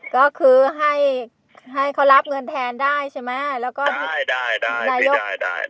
ก็คือให้ให้เขารับเงินแทนได้ใช่ไหมแล้วก็ได้ได้นายกได้